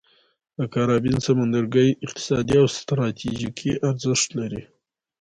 د کارابین سمندرګي اقتصادي او ستراتیژیکي ارزښت لري.